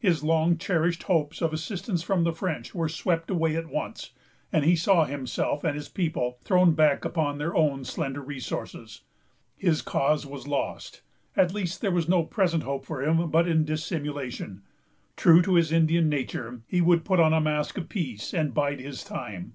His long cherished hopes of assistance from the French were swept away at once, and he saw himself and his people thrown back upon their own slender resources. His cause was lost. At least, there was no present hope for him but in dissimulation. True to his Indian nature, he would put on a mask of peace, and bide his time.